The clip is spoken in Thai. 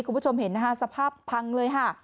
คุณผู้ชมเห็นนะคะสภาพพังเลยค่ะ